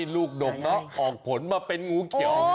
ลูกดกเนอะออกผลมาเป็นงูเขียว